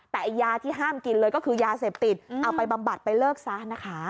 แต่ยาที่ห้ามกินเลยก็คือยาเสพติดเอาไปบำบัดไปเลิกซะนะคะ